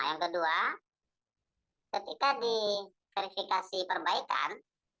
yang kedua ketika diverifikasi perbaikan